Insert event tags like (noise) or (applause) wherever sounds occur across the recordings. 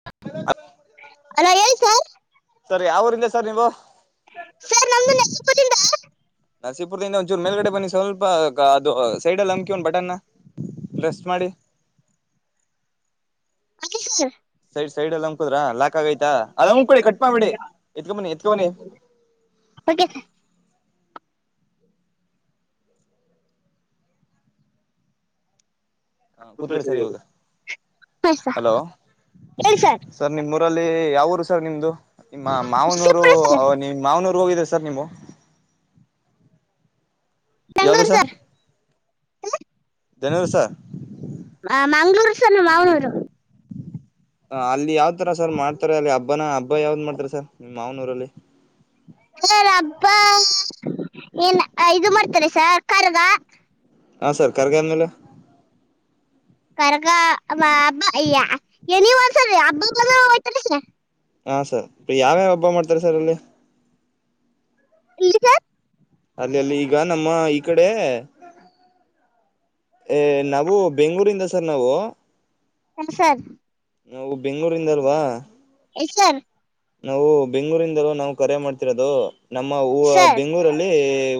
ಅ hello ಹೇಳಿ sir. ಯಾವುರಿಂದ sir ನೀವು. ಸರ್ ನಮ್ದು (unintelligible) ದಿಂದ ನರಸೀಪುರ್ದಿಂದ ಒಂಚೂರು ಮೇಲ್ಗಡೆ ಬನ್ನಿ ಸ್ವಲ್ಪ ಅದು ಸೈಡಲ್ ಅಮ್ಕಿ ಒನ್ ಬಟನ್ನ ಪ್ರೆಸ್ ಮಾಡಿ. ಓಕೆ ಸರ್ ಸೈಡ್ ಸೈಡಲ್ಲಿ ಸೈಡಲ್ ಅಮ್ಕುದ್ರ ಆಮ್ಕುದ್ರ ಲಾಕ್ ಆಗೈತಾ ಲಾಕಾಗಯ್ತಾ ಅದು ಅದ್ ಅಮ್ಕೊಳ್ಳಿ ಆಮ್ಕಳಿ ಕಟ್ ಮಾಡ್ಬಿಡಿ ಮಾಡ್ಬೇಡಿ ಎತ್ಕೊ ಬನ್ನಿ ಎತ್ಕೊ ಫೋನ್ ಬನ್ನಿ ಹ ಕೂತ್ಕೋಳಿ ಕೂತ್ಕೊಳ್ಳಿ ಸರ್ ಸರಿಯಾಗಿ ಇವಾಗ ತಲ್ಲಿ ಯಾವೂರು ಸರ್ ನಿಮ್ದು. ನಿಮ್ಮ ಮಾವನೂರು ನರಸೀಪುರ ಸರ್ ಅವ ನಿಮ್ ಮಾವನೂರ್ ಹೋಗಿದ್ದೆ ಸ ಸರ್ ನಿಮ್ಮೋ ಯಾವ್ದ ಬೆಂಗಳೂರು ಸ ಸರ್ ಧನ್ವರಿ ಸರ್. ಮಂಗ್ಳೂರು ಸರ್ ನಮ್ ಮಾವನೂರು. ಹ ಅಲ್ಲಿ ಯಾವ್ ತರ ಸರ್ ಮಾಡ್ತಾರೆ ಅಲ್ಲಿ ಹಬ್ಬನ ಹಬ್ ಯಾವ್ದ್ ಮಾಡ್ತಾರೆ ಸರ್ ಹ್ಮ್ ಮಾವನೂರಲ್ಲಿ. ದೇವ್ರ್ ಹಬ್ಬಾ ಏನ್ ಇದು ಮಾಡ್ತಾರೆ ಸರ್ ಕರಗ. ಹಾ ಸರ್ ಕರ್ಗ ಆದ್ಮೇಲೆ ಕರ್ಗ ಅಬ್ಬ ಅ ಎನಿ (unintelligible) ಹಬ್ಬ ಬರೋ (unintelligible) ಹಾ ಸರ್ ಅ ಯಾವ್ಯಾವ ಹಬ್ಬ ಮಾಡ್ತೀರ ಸರ್ ಇಲ್ಲಿ. ಇಲ್ಲಿಗ ಅಲ್ಲಲ್ಲಿ ಈಗ ನಮ್ಮ ಈ ಕಡೆ ನಾವು ಬೆಂಗಳೂರಿಂದ ಸರ್ ನಾವು ಎನು ಸರ್. ನಾವು ಬೆಂಗಳೂರಿಂದಲ್ವಾ. ಎಸ್ ಸರ್ ನಾವು ಬೆಂಗಳೂರಿಂದಲೂ ನಾವು ಕರೆ ಮಾಡ್ತಿರೋದು. ನಮ್ಮ ಊ ಅ ಸರ್ ಬೆಂಗಳೂರಲ್ಲಿ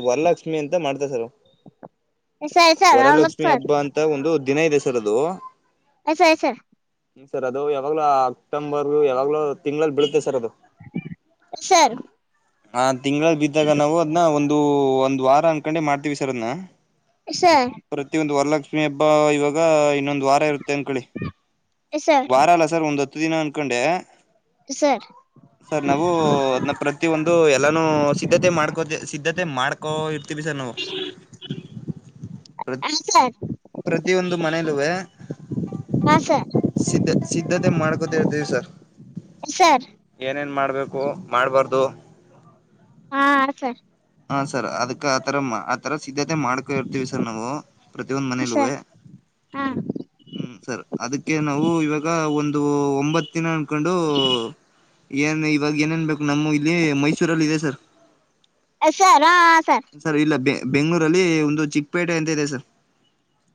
ವರಲಕ್ಷ್ಮಿ ಅಂತ ಮಾಡ್ತರ್ ಸರ್. (inaudible) ಸರ್ ಅವ್ನು ವರಲಕ್ಷ್ಮಿ ಸರ್ ಹಬ್ಬ ಅಂತ ಒಂದು ದಿನ ಇದೆ ಸರ್ ಅದು. ಆ ಸರ್ ಐತ್ ಸರ್ ಹ ಸರ್ ಅದು ಯಾವಾಗ್ಲೂ ಅಕ್ಟೊಂಬರ್ ಯಾವಾಗ್ಲೋ ತಿಂಗಳಲ್ ಬೀಳುತ್ತೆ ಸರ್ ಅದು. ಸರ್ ಹ ತಿಂಗಳಲ್ ಬಿದ್ದಾಗ ನಾವು ಅದ್ನ ಒಂದು ಒಂದ್ ವಾರ ಅನ್ಕೊಂಡೆ ಮಾಡ್ತೀವಿ ಸರ್ ಅದ್ನ. ಸರ್ ಪ್ರತಿಯೊಂದು ವರ್ಲಕ್ಶ್ ಲಕ್ಷ್ಮಿ ಹಬ್ಬ ಇವಾಗ ಇನ್ನೊಂದು ವಾರ ಇರುತ್ತೆ ಅನ್ಕೊಳ್ಳಿ ಸರ್ ವಾರ ಅಲ್ಲ ಸರ್ ಒಂದ ಹತ್ ತ್ತು ದಿನ ಅನ್ಕೊಂಡೆ ಸರ್ ಸರ್ ನಾವು ಅದ್ನ್ನ ಪ್ರತಿಯೊಂದ್ ಡು ಎಲ್ಲಾನು ಸಿದ್ಧತೆ ಮಾಡ್ಕೋ ಸಿದ್ಧತೆ ಮಾಡ್ಕೋ ಇ ತಿವಿ ಸರ್ ನಾವು ಹಾಂ ಸರ್ ಪ್ರತಿಯೊಂದು ಮನೇಲುವೆ ಹಾಂ ಸರ್ ಸಿದ್ದ ಸಿದ್ಧತೆ ಮಾಡ್ಕೊತ ಇರ್ತೀವಿ ಸರ್. ಸರ್ ಏನ್ ಮಾಡ್ಬೇಕು ಮಾಡಬಾರ್ದು. ಹಾ ಆಡ್ ಸ ಹಾ ಸರ್ ಅದಕ್ ಆತರ ಮ್ ಆತರ ಸಿದ್ಧತೆ ಮಾಡ್ ಇರ್ತವಿ ಸರ್ ನಾವು ಪ್ರತಿಯೊಂದ್ ಮನೆಲುವೆ ಸರ್ ಹಾಂ ಹ್ಮ ಸರ್ ಅದಕ್ಕೆ ನಾವು ಇವಾಗ ಒ ಒಂದು ಒಂಬತ್ ದಿನ ಕೊಂಡು ಏನ್ ಇವಾಗ ಏನೇನ್ ಬೇಕು ನಮ್ಮ ಇಲ್ಲಿ ಮೈಸೂರಲ್ಲಿ ಇದೆ ಸರ್. ಹ ಸರ್ ಹಾ ಹಾ ಸರ್. ಇಲ್ಲ ಬೆ ಬೆಂಗಳೂರಲ್ಲಿ ಒಂದು ಚಿಕ್ಕಪೇಟೆ ಅಂತ ಇದೆ ಸರ್.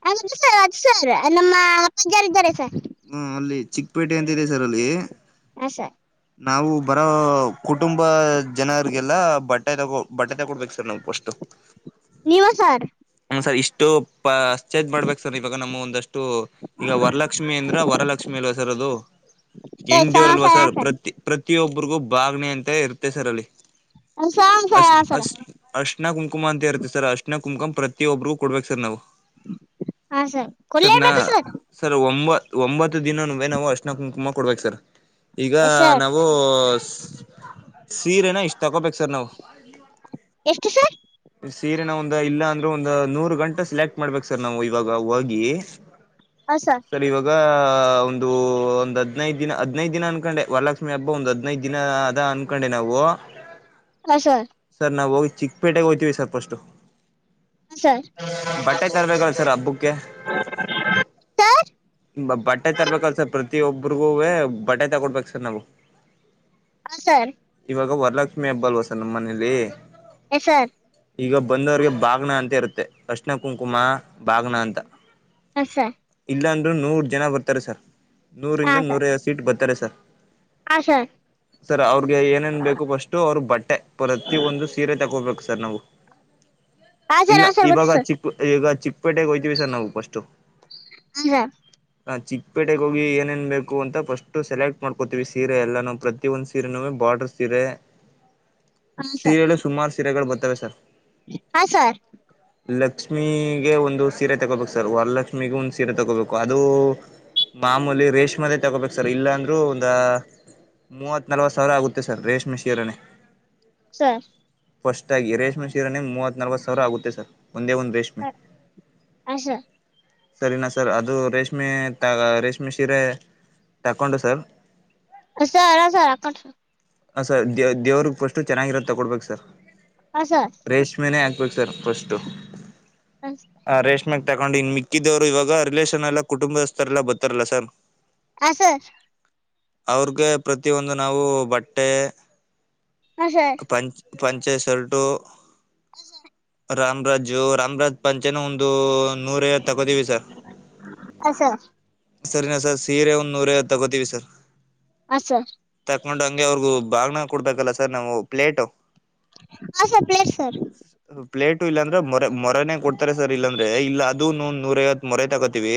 (unintelligible) ಸರ್ ನಮ್ಮ (unintelligible) ರಿದ್ದಾರೆ ಸರ್. ಹ್ಮ್ ಅಲ್ಲಿ ಚಿಕ್ಕಪೇಟೆ ಅಂತ ಇದೆ ಸರ್ ಅಲ್ಲಿ. ಹ ಸರ್ ನಾವು ಬರೋ ಕುಟುಂಬ ಜನರಿಗೆಲ್ಲ ಬಟ್ಟೆ ತಗೊ ಬಟ್ಟೆ ತಗೊಡ್ಬೇಕು ಸರ್ ನಾವು ಫಸ್ಟ್. ನೀವು ಸಾರ್. ಹ್ಮ ಸರ್ ಇಷ್ಟು ಪಚೇಜ್ ಮಾಡ್ಬೇಕು ಸರ್ ಇವಾಗ ನಮ್ಮ್ ಒಂದಷ್ಟು ಈಗ ವರ್ಲಕ್ ಕ್ಷ್ಮಿ ಅಂದ್ರ ವರಲಕ್ಷ್ಮಿ ಅಲ್ವಾ ಸರ್ ಅದು ಹೆಣ್ಣ್ ಎಸ್ ಹಾಂ ದೆವರಲ್ವಾ ಸರ್ ಪ್ರತಿ ಪ್ರತ್ ಪ್ರತಿಯೊಬ್ಬರಿಗೂ ಬಾಗ್ನೆ ಅಂತ ಇರ್ತೆ ಸರ್ ಅಲ್ಲಿ ಹುಂ ಸಾ ಹುಂ ಸಾ ಹಾ ಸರ ಅರ್ಷ್ಣ ಕುಂಕುಮ ಅಂತ ಇರತ್ತೆ ಸರ್ ಅರ್ಶಿಣ ಕುಂಕುಮ ಪ್ರತಿಯೊಬ್ರಿಗೂ ಕೊಡ್ಬೇಕು ಸರ್ ನಾವು. ಹಾ ಸರ್ ಕೊಡ್ಲೆಬೇಕು ಸರ್. ಒಂಬತ್ತು ದಿನನುವೆ ನಾವು ಅರ್ಶಿಣ ಕುಂಕುಮ ಕೊಡ್ಬೇಕು ಸರ್. ಈಗ ಎಸ್ ಸರ್ ನಾವು ಸ್ ಸೀರೆನ ಇಷ್ಟ ತಕೋಬೇಕು ಸರ್ ನಾವು. ಎಷ್ಟು ಸರ್ ಸೀರೆ ನ ಒಂದ ಇಲ್ಲಾ ಅಂದ್ರೆ ಒಂದ ನೂರು ಗಂಟೆ ಸೆಲೆಕ್ಟ್ ಮಾಡ್ಬೇಕ್ ಸರ್ ನಾವು ಇವಗ ಹೋಗಿ ಆಸ ಹ ಒಂದು ಒಂದ್ ಹದ್ನೈದ್ ದಿನ ಹದ್ನೈದ್ ದಿನ ಅನ್ಕೊಂಡೆ ವರಲಕ್ಷ್ಮಿ ಹಬ್ಬ ಒಂದ್ ಹದ್ನೈದ್ ದಿನ ಅದ ಅನ್ಕೊಂಡೆ ನಾವು. ಆ ಸಾ ಸರ್ ನಾವು ಹೋಗಿ ಚಿಕ್ಕಪೇಟೆಗೆ ಹೋಯ್ತೀವಿ ಸರ್ಪಷ್ಟು. ಹ ಸರ್ ಸರ್ ಹಬ್ಬಕ್ಕೆ (unintelligible) ಸರ್ ಬ ಬಟ್ಟೆ ತರ್ಬೇಕಲ್ ಸರ್ ಪ್ರತಿಯೊಬ್ರಗೂವೆ ಬಟ್ಟೆ ತಗೊಡ್ಬೇಕ ಸರ್ ನಾವು. ಹ ಸರ್ ಇವಗ ವರಲಕ್ಷ್ಮಿ ಹಬ್ಬ ಅಲ್ವ ಸರ್ ನಮ್ ಮನೇಲಿ ಎಸ್ (unintelligible) ಸರ್ ಈಗ ಬಂದವ್ರಿಗೆ ಬಾಗ್ನ ಅಂತ ಇರ್ತ್ ಮ ಅರ್ಶನ ಕುಂಕುಮ ಬಾಗನ ಅಂತ. ಹ ಸ ಇಲ್ಲಾಂದ್ರೂ ನೂರ್ ಜನ ಬರ್ತರೆ ಸರ್. ನೂರಿಂದ ಸರ್ ನೂರ ಐವತ್ ಸೀಟ್ ಬತ್ತರೆ ಸ ಹಾಂ ಸರ್ ತ್ತ (unintelligible) ಸರ್ ಅವ್ರಿಗೆ ಏನೇನ್ ಬೇಕು ಫಸ್ಟ್ ಅವ್ರ ಬಟ್ಟೆ ಪ್ರತಿ ಒಂದು ಸೀರೆ ತಕೋಬೇಕು. ಸರ್ ನವು. ಹಾಂ ಸರ್ ಹಾಂ ಸರ್ ಇಲ್ಲ ಹಾಂ ಸರ್ ಗೊತ್ತು ಇವಾಗ ಸರ್ ಚಿಕ್ ಯುಗ ಪೇಟೆಗೆ ಹೋಯ್ತೀವಿ ಸರ್ ನಾವು ಫಸ್ಟ್. ಹಾಂ ನಾ ಚಿಕ್ಕಪೇಟೆಗೆಗ ಹೋಗಿ ಏನೇನ್ ಬೇಕು ಅಂತ ಫಸ್ಟ್ ಸೆಲೆಕ್ಟ್ ಮಾಡ್ಕೋತೀವಿ ಸೀರೆ ಎಲ್ಲ ನಾವು ಪ್ರತಿಿಯೊಂದ್ ಸೀರೆನ ಬಾರ್ಡ್ರ ಸೀರೆ ಸೀರೆಗಳು ಸುಮಾರು ಸೀರೆಗಳು ಬರ್ತವೆ ತ ಸರ್ ಹಾ ಸರ್ ಲಕ್ಷ್ಮಿಗೆ ಒಂದು ಸೀರೆ ತಗೋಬೇಕು ಸರ್ ವರಲಕ್ಷ್ಮಿಗೆ ಒಂದ್ ಸೀರೆ ತಗೋಬೇಕು ಅದು ಮಾಮೂಲಿ ರೇಷ್ಮೆದೆೇ ತಗೋಬೇಕು ಸರ್ ಇಲ್ಲಾಂದ್ರೂ ಒಂದ ಮೂವತ್ ನಲ್ವತ್ ಸಾವಿರ ಆಗುತ್ತೆ ಸರ್ ರೇಷ್ಮೆ ಶೀರನೆೆ. ಸ ಫಸ್ಟ್ ಆಾಗಿ ರೇಷ್ಮೆ ಶೀರನ ಮೂವತ್ ನಲ್ವತ್ತು ಸಾವಿರ ಆಗುತ್ತೆ ಸರ್. ಒಂದೇ ಉ ರೇಶ್ಮೆ ಸರ್ ಹಾಂ ಸರ್ ಸರಿನಾ ಸರ್ ಅದ. ಅದು ರೇಷ್ಮೆ ರೇಷ್ಮೆ ಸೀರೆ ತಕೊಂಡು ಸರ್ ಸರ ಸರಕ ಹ ಸರ್ ದೇ್ ದೇವ್ರಗ್ ಫಸ್ು ಚೆನ್ನಾಗಿರೋ ತೊಗೊಡ್ಬೇಕು ಸರ್ ಹಾಂ ಸರ್ ರೇೇಶ್ಮೆ ಓಕೆ ಸರ್ ಫಸ್ಟು ಹ ರೇಷ್ಮೆಕ್ ತಕೊಂಡ್ ಇನ್ ಮಿಕ್ಕಿದ್ರು ಇವಾಗ ರಿಲೇಷನ್ ಎಲ್ಲ ಕುಟುಂಬದಸ್ಥರೆಲ್ಲ ಬತಾರಲ್ಲ ಸರ್ ಆಸ ಅವ್ರಗೆ ಪ್ರತಿಿಯ ಒಂದು ನಾವು ಬಟ್ಟ. ಟೆ. ಹ ಸ. ಪಂಚೆ ಸರ್ಟು. ಹಷಾ. ರಾಮ್ರಾಜು ರಾಮರಾಜ್ ಪಂಚನ ಒಂದು. ನೂರ ತಗೋತೀವಿ ಸರ್ ಹಾಂ ಸರ್ ಸರಿನಾ ಸರ್ ಸೀರೆ ಒಂದ್ ನೂರೈಐವತ್ತು ತಗೋತೀವಿ ಸರ್ ಅ ಸರ್ ೊಂಡ ಹಂಗೆ ಅವ್ರಗೂ ಬಾಗಣ ಕೊಡ್ಬೇಕಲ್ಲ ಸರ್ ನಾವು ಪ್ಲೇಟ್ ಹಾ ಸರ್ ಪ್ೇ ಸರ್. ಪ್ಲೇಟು ಇಲ್ಲಾಂದ್ರೆ ಮೊ ಮೊರನೆೇ ಕೊಡ್ತಾರೆ ಸರ್ ಇಲ್ಲಾಂದ್ರೆ ಇಲ್ಲ ಅದು ನೂರೈಐವತ್ತು ಮೊರೆ ತಗೋತೀವಿ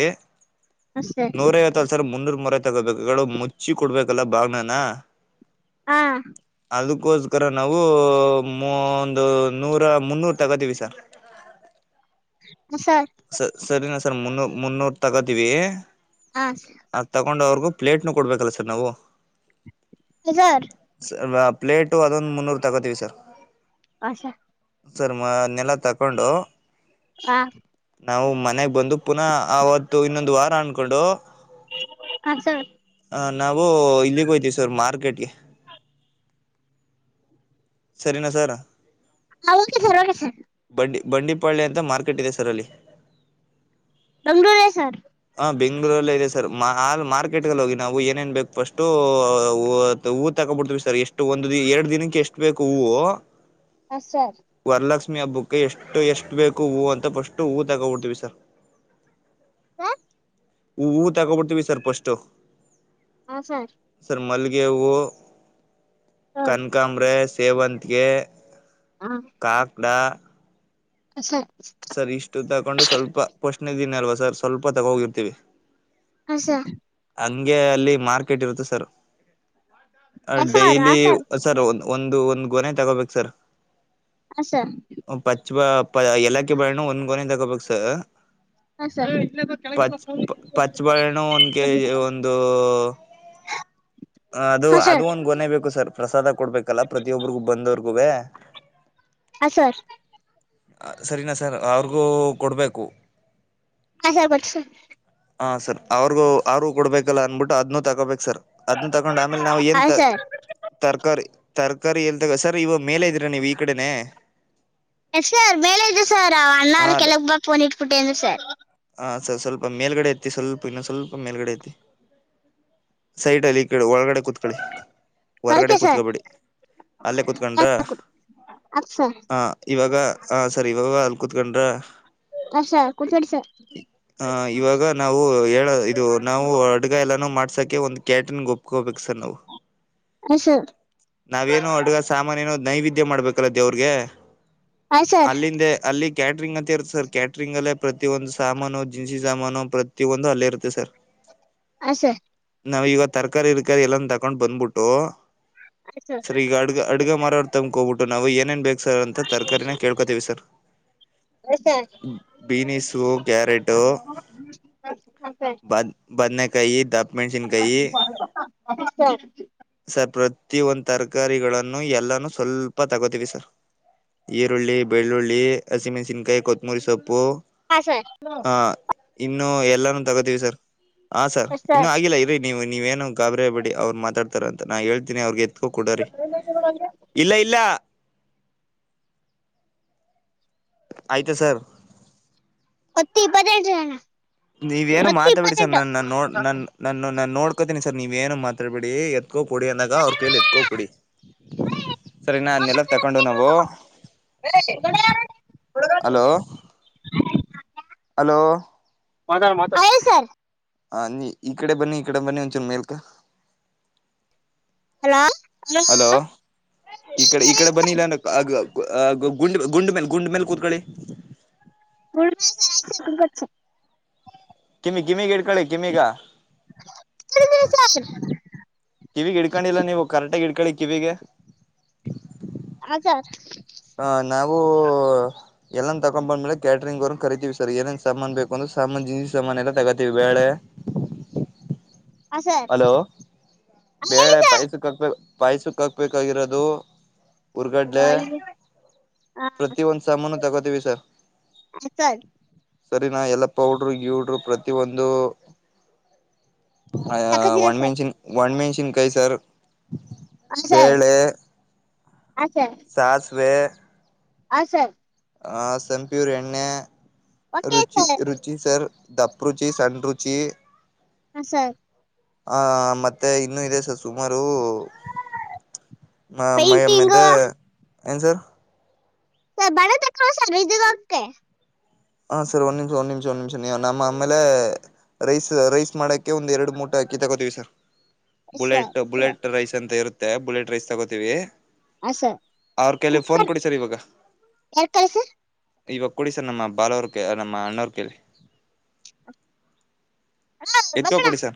ಹಾಂ ಸರ್ ನೂರ ಐವತ್ತು ಸಾವರ ಮುನ್ನೂರು. ಮ. ತಗೋಬೇಕು ಮುಚ್ಚಿ ಕೊಡ್ಬೇಕು. ಕಲ್ಲ ಬಾಗಣಾನ ಹಾ ಅದಕ್ಕೋಸ್ಕರ ನಾವು ಒಂದು ನೂರ ಮುನ್ನೂರು ತಗೋತವಿ ಸರ್ ಹ್ಮ ಸ ಸರಿ ನ ಸರ್ ಮುನ್ನೂ ಮುನ್ನೂರು ತಗೋತೀವಿ ಹಾ ತಕೊಂಡವ್ರ್ಗು ಪ್ಲೇಟ್ನು ಕೊಡ್ಬೇಕಲ್ಲ ಸರ್ ನಾವು ಸರ್ ಸರ್ ಆ ಪ್ಲೇಟು ಅದೊಂದು ಮುನ್ನೂರು ತಗೋತೀವಿ ಸರ್. ಅಷ ಸರ್ ಮ ನೆಲ ತಗೊಂಡು ಹ ನಾವು ಮನೆಗ್ ಬಂದು ಪುನಃ ಅವತ್ತು ಇನ್ನೊಂದು ವಾರ ಅನ್ಕೊಂಡು ಹ ಸರ್ ಹ ನಾವು ಇಲ್ಲಿಗೆ ಹೋಗ್ತೀವಿ ಸರ್ ಮಾರ್ಕೆ ಗೆ ಸರಿನ ಸರ್ ಹ ಓಕೆ ಸರ್ ಓಕೆ ಸರ್. ಬಂಡಿ ಬಂಡಿಪಾಳ್ಯ ಅಂತ ಮಾರ್ಕೆಟ್ ಇದೆ ಸರ್ ಅಲ್ಲಿ. ಬೆಂಗಳೂರೇ ಸರ್ ಬೆಂಗ್ಳೂರಲ್ಲೆ ಇದೆ ಸರ್ಲ್ ಮ ಹಾಲ್ ಮಾರ್ಕೆಟ್ ಗೆಲ್ಲ ಹೋಗಿ ನಾವು ಏನೇನ್ ಬೇಕು ಫಸ್ಟು ಹೂವು ತಗೋಬ ಬಿಡ್ತವಿ ಸರ್ ಎಷ್ಟು ಒಂದು ಎರಡ್ ದಿನಕ್ಕೆ ಎಷ್ಟು ಬೇಕು ಹೂವು ಹ ಸರ್ ಮಿ ಹಬ್ಬಕ್ಕೆ ಎಷ್ಟು ಎಷ್ಟು ಬೇಕು ಹೂವು ಅಂತ ಫಸ್ ಟು ಹೂ ತಗಬಿಡ್ತೀವಿ ಸರ್. ಸಾರ್ ಹೂ ಹೂವು ತಗೋಬಿಡ್ತೀವಿ ಸರ್ ಫಷ್ಟು. ಹ ಸರ್ ಸರ್ ಮಲ್ ಗೆ ಹೂವು ಹ ಕನ್ಕಾಂಬರಾಸ್ ಸೇವಂತ್ಗೆ. ಕಾಕ್ಡ. ಹ ಸೆ ಸರಿ ಇಷ್ಟು ತಕೊಂಡು ಸ್ವಲ್ಪ ಪೋಶ್ (unintelligible) ದಿನ್ ಅಲ್ವಾ ಸರ್ ಸ್ವಲ್ಪ ತಗೋಗಿರ್ತೀವಿ. ಹ ಸ ಹಂಗೆ ಅಲ್ಲಿ ಮಾರ್ಕೆಟ್ ಇರುತ್ತೆ ಸರ್. ಆ ಹ ಸರ್ ಡೈಲಿ ಸರ್ ಒನ್ ಒಂದು ಒಂದು ಗೊನೆ ತಗೋಬೇಕು ಸರ್ ಆ ಸರ್ ಚು ಪ ಎಲ್ಲಾಕ ಬಳಣ ಒಂದ್ ಗೊನೆ ತಗೋಬೇಕು ಸ ಹ ಸರ್ (unintelligible) ಏ ಒಂದು (unintelligible) ಅದು ಹ ಅದು ಸರ್ ಹ ಸರ್ ಒಂದು ಗೊನೆ ಬೇಕ್ ಸರ್ ಪ್ರಸಾದ ಕೊಡ್ಬೇಕಲ್ಲ ಪ್ರತಿಯೊಬ್ಬರಿಗೂ ಬಂದವ್ರಗುವೆ ಹಾಂ ಸರ್ ಸರಿನಾ ಸರ್ ಅವ್ರಿಗೂ ಕೊಡ್ಬೇಕು. ಹ ಬರ್ಸ (unintelligible) ಹ ಸರ್ ಅವ್ರಿಗೂ. ಆರು ಕೊಡ್ಬೇಕಲ್ಲ ಅನ್ಬಿಟ್ಟು ಅದನ್ನು ತೋಬೇಕ (unintelligible) ಸರ್ ಅದನ್ನ ತಗೊಂಡು ಆಮೇಲೆ ನಾವು ಏನ್ ಹ ಸರ್ ತರಕಾರಿ ತರಕಾರಿ ಎಲ್ದಗ ಸರ್. ಇವಾಗ ಮೇಲೆ ಇದೀರಾ ನೀವ್ ಈ ಕಡೆನೆ. ಎಸ್ ಸರ್ ಮೇಲೆ ಇದ್ದ ಸರ್ ಅಣ್ಣರ್ ಹ ಕೆಲಗ್ ಬಾ ಫೋನ್ ಇಟ್ಬಿಟ್ಟೆಂದ ಸರ್. ಹ ಸ ಸ್ವಲ್ಪ ಮೇಲ್ಗಡೆ ಎತ್ತಿ ಸ್ವಲ್ಪ ಇನ್ನು ಸ್ಪಲ್ಪ ಮೇಲ್ಗಡೆ ಐತಿ ಸೈಡ್ ಅಲ್ಲಿ ಒಳಗಡೆ ಕೂತ್ಕೊಳ್ಳಿ ಹೊರ್ಗಡೆ ಓಕೆ ಸರ್ ಕೂತ್ಕೊಬೇಡಿ ಅಲ್ಲೇ ಕೂತ್ಕೊಂಡ್ರಾ ಅ ಸರ್ ಆ ಇವಾಗ ಹ ಸರ್ ಇವಾಗ ಅಲ್ಲಿ ಕೂತ್ಕೊಂಡ್ರ ಹ ಸರ್ ಕುತ್ಕೊಡಿ ಸರ್ ಹ ಇವಾಗ ನಾವು ಹೇಳ ನಾವು ಉ ಅಡ್ಗಗಾಯಿ ಎಲ್ಲನೂ ಮಾಡ್ಸಕೆ ಒಂದ್ ಕ್ಯಾಟಿನ್ ಒಪ್ಕೋಬೇಕು ಸರ್ ನಾವು ಹ ಸರ್ ನಾವೇನು ಅಡ್ಗ ಸಾಮಾನ ಏನು. ನೈವೇದ್ಯ ಮಾಡ್ಬೇಕಲ್ಲ ದೇವ್ರಿಗೆ ಹ ಸರ್ ಅಲ್ಲಿಂದ ಅಲ್ಲಿ. ಕ್ಯಾಟ್ರಿಂಗ್ ಅಂತ ಇರುತ್ತೆ ಸರ್ ಕ್ಯಾಟ್ರಿಂಗ ಅಲ್ಲೇ ಪ್ರತಿಯ ಒಂದು ಸಾಮಾನು ಜಿನ್ಸಿ ಸಾಮಾನು ಪ್ರತಿಯೊಂದು ಅಲ್ಲೇ ಇರುತ್ತೆ ಸರ್. ಆ ಸ ನಾವವು ಈವತು ತರಕಾರಿ ಗಿರಕಾರಿ ಎಲ್ಲಾನು ತಕೊಂಡ್ ಬಂದ್ಬಿಟ್ಟು ಹ ಸರ್ ಸರಿ ಈಗ ಅಡ್ಗ ಅಡ್ಗ ಮಾರಾಡ್ತ (unintelligible) ಅಕೋಬಿಟ್ಟು ನಾವು ಏನೇನು ಬೇಕು (unintelligible) ಸರ್ ಅಂತ ತರಕಾರಿನ ಕೇಳ್ಕೋತೀವಿ ಸರ್ ಹ ಸರ್ ಬೀನಸು ಕ್ಯಾರೆಟ. ಹ ಸರ್ ಬ ಬದನ ಕಾಯಿ ದ ಮೆನ್ಸನ್ ಕಾಯಿ ಹ ಸರ್ ಸರ್ಪ (unintelligible) ಪ್ರತಿ ಒಂದು ತರಕಾರಿಗಳನ್ನು ಎಲ್ಲಾನೂ ಸ್ವಲ್ಪ ತಗೋತೀವಿ ಸರ್ ಈರುಳ್ಳಿ ಬೆಳ್ಳುಳ್ಳಿ ಹಸಿಮೆಣಸಿನ್ಕಾಯಿ ಕೊತ್ತಮುರಿ ಸೊಪ್ಪು (unintelligible) ಪ್ಪೋ ಆ ಇನ್ನು ಎಲ್ಲಾನು ತಗೋತೀವಿ ಸರ್. ಹ ಸರ್ ಇನ್ನುೂ ಆಗಿಲ್ಲ ಇರೀ ನೀವು ನೀವೇನು. ಗಾಬರಿಯಾಗಬೇಡಿ ಅವರು ಮಾತಾಡ್ತಾರೆ ಅಂತ ನಾ ಹೇಳ್ತೀನಿ ಅವ್ರಿಗೆ (unintelligible) ಹಕಡ್ರರಿ ಇಲ್ಲ ಇಲ್ಲ ಆಯ್ತಾ ಸರ್ ಹೊತ್ತೀಪ್ಪದೇಟ ಜಣ ನೀವೇನು ಮಾತಾಡಬೇಡಿ ಬಿಡಿ ಸರ್ ನನ್ನ ನೋ ನ ನನ್ನ ನಾನ್ ನೋಡ್ಕೋತಿನನಿ ಸರ್ ನೀವೇನು ಮಾತಾಡ್ಬೇಡಿ ಕೊಡಿ ಅಂದಾಗ ಅವ್ರ ಕೈಯಲ್ಲಿ ಎತ್ಕೊ ಕೊಡಿ ಇಪ್ಪತ್ತೆಂಟು ಸರಿನಾ ಅದ್ನೆೆಲ್ಲ ತಕೊಂಡು ನಾವು ಅಲೋ ಹಲೋ ಮಾತಾಡು ಮಾತಾಡು ಹಲೋ ಸರ್ ಹ ನೀ ಈ ಕಡೆ ಬನ್ನಿ ಈ ಕಡೆ ಬನ್ನಿ ಒಂದುಚೂರು ಮೇಲ್ಕ ಹಲೋ ಹಲೋ ಸರ್ ಈ ಕಡೆ ಈ ಹೇಳಿ ಕಡೆ ಸರ್ ಬನ್ನಿಇಲ್ಲ ಅಂದ್ರೆ ಆಆಗುಂಡ ಗುಂಡ ಮೇಲೆ ಗುಂಡ ಮೇಲೆ ಕೂತ್ಕೊಳ್ಳಿ ಗುಡ್ ಗಿಮಿ ಇಡ್ಕೊಳಿ ಗಿಮಿಗಾ ಮ (unintelligible) ಇಡ್ಕೊಂಡಿಲ್ಲ ನೀವು ಕರೆಕ್ಟಗಿ ಇಡ್ಕಳಿ ಕಿವಿಗೆ ಹಜಾರ್ ಹ ನಾವು ಎಲ್ಲನು ತಕೊಂಡ್ ಬಂದ್ಮೇಲೆ ಕ್ಯಾಟರಿಂಗ್ ಅವರನ ಕರಿತೀವಿ ಸರ್ ಏನೇನ್ ಸಾಮಾನ್ ಬೇಕೋ ಅನ್ನೋದ ಸಾಮಾನ್ ಜೀನಿ ಸಾಮಾನ ಎಲ್ಲ ತಗೋತೀವಿ ಬೇಳೆ ಹಾಂ ಸರ್ ಹಲೋ ಹೇಳಿ ಬೆಳೆ ಸರ್ ಪೈಸಕ ಹಾಕ್ಬೇಕ ಪಾಯಸಕ್ಕ ಹಾಕ್ಬೇಕಾಗಿರೋದು ಉರ್ಗಡ್ಲೆ ಹಾಂ ಪ್ರತಿ ಒಂದ ಸಾಮಾನೂ ತಗೋತೀವಿ ಸರ್ ಸರ್ ಸರಿನಾ ಎಲ್ಲ ಪೌಡ್ರು ಗಿವ್ಡ್ರು ಪ್ರತಿ ಒಂದು ಒ ತಕೋತೀರಾ ಮೆನ್ಷನ್ ಒ ಮೆನ್ಷ. ನಿಮ ಕೈ ಸಾರು ಬೇಳೆ. ಹ ಸರ್ ಸಾಸ್ವೆ ಹ ಸರ್ ಆ ಸನ್ ಪ್ಯೂರ್ ಎಣ್ಣೆ ಓಕೆ ರುಚಿ ಸರ್ ರುಚಿ ಸರ್ ದಪ್ಪ ರುಚಿ ಸಣ್ಣ ರುಚಿ ಹ ಸರ್ ಹ ಮತ್ತೆ ಇನ್ನುೂ ಇದೆ ಸರ್ ಸುಮಾರು ನ ಮಯ ಮದ ಪೇಂಟಿಂಗು ಏನು ಸರ್ ಸರ್ ಬಳದ ಕ್ರಾಸ್ ಸಲ್ಲಿ ಇದೆವಂತೆ ಹ ಸರ್ ಒಂದ್ ನಿಮಿಷ ಒಂದ್ ನಿಮಿಷ ಒಂದ್ ನಿಮಿಷ ನೀವು ನಮ್ಮ ಆಮೇಲೆ ರೈಸ್ ರೈಸ್ ಮಾಡಕ್ ಕೆ ಒಂದ ಎರಡು ಮೂಟ ಅಕ್ಕಿ ತಗೋತೀವಿ sir sir bullet bullet rice ಅಂತ ಇರುತ್ತೆ. ಮತ್ತೆ ಬುಲೆಟ್ ರೈಸ್ ತಗೋತೀವಿ ಅವ್ರ ಕೈಲಿ ಫೋನ್ ಕುಕ್ಕರ್ ಕೊಡಿ ಸರ್ (unintelligible) ಇವಗ್ಕೋಡಿ ಸರ್ ಬಾಲಾ ಅವರಿಗೆ ಕ ನಮ್ಮ ಅಣ್ಣವರ್ ಕೇಳಿ. (inaudible) ಅ ಎತ್ಕೋ ಬಂದಣ ಕೊಡಿ (inaudible) ಸರ್